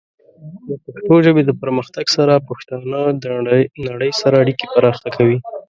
د پښتو ژبې د پرمختګ سره، پښتانه د نړۍ سره اړیکې پراخه کوي.